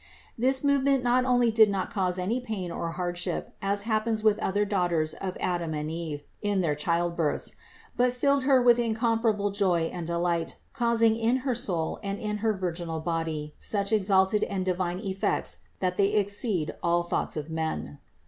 This movement not only did not cause any pain or hardship, as happens with the other daughters of Adam and Eve in their child births; but filled Her with incomparable joy and delight, causing in her soul and in her virginal body such exalted and divine effects that they exceed all thoughts of men.